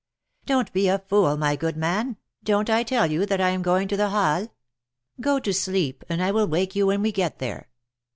Don't be a fool, my good man ! Don't I tell you that I am going to the Halles? Go to sleep, and I will wake you when we get there."